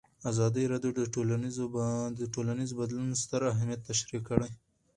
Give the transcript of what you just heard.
ازادي راډیو د ټولنیز بدلون ستر اهميت تشریح کړی.